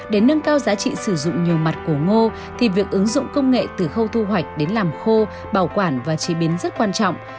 để nâng cao giá trị sử dụng nhiều mặt cổ ngô thì việc ứng dụng công nghệ từ khâu thu hoạch đến làm khô bảo quản và chế biến rất quan trọng